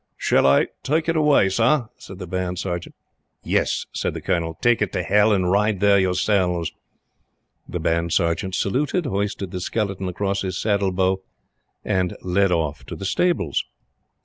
"Shall I take it away, sir?" said the Band Sergeant. "Yes," said the Colonel, "take it to Hell, and ride there yourselves!" The Band Sergeant saluted, hoisted the skeleton across his saddle bow, and led off to the stables.